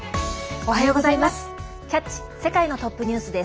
おはようございます。